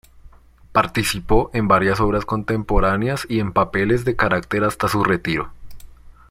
Participó en varias obras contemporáneas y en papeles de carácter hasta su retiro.